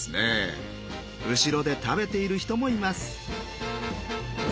後ろで食べている人もいます。